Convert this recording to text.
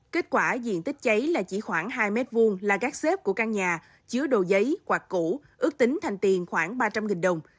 kết quả diện tích cháy là chỉ khoảng hai m hai là gác xếp của căn nhà chứa đồ giấy quạt củ ước tính thành tiền khoảng ba trăm linh đồng